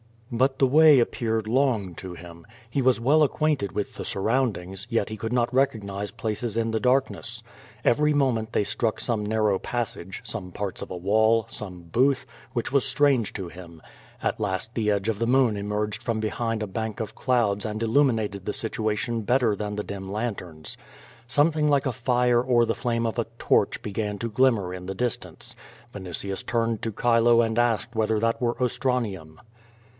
But the way appeared long to him. He was well acquainted with the surroundings, yet he could not recognize places in QUO VADIS, 155 tlie darkness. Erery moment they struck some narrow pass age, some parts of a wall, some booth, which was strange to him. At last the edge of tlie moon emerged from behind a bank of clouds and illuminated the situation better than the dim lanterns. Something hke a fire or the flame of a torch began to glimmer in the distance. Vinitius turned to Chilo and asked whether that were Ostranium.